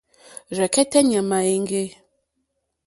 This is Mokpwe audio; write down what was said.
Rzɛ̀kɛ́tɛ́ ɲàmà èŋɡê.